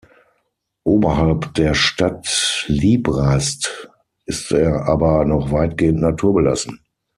Oberhalb der Stadt Librazhd ist er aber noch weitgehend naturbelassen.